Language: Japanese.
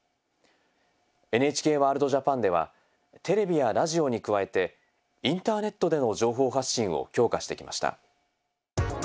「ＮＨＫワールドＪＡＰＡＮ」ではテレビやラジオに加えてインターネットでの情報発信を強化してきました。